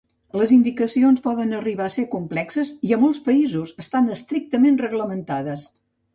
Les indicacions poden arribar a ser complexes i a molts països estan estrictament reglamentades.